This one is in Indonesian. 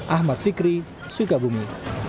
ahmad fikri sukabumi